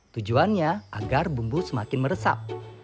tujuannya agar bumbu semakin meresap